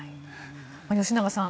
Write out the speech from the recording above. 吉永さん